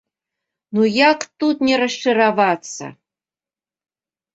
Ну як тут не расчаравацца?